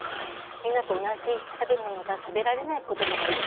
みんなと同じものが食べ物が食べられない子どもがいる。